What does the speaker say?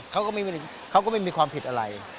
เขาก็ไม่มีความผิดอะไร